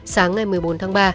sáng ngày một mươi bốn tháng ba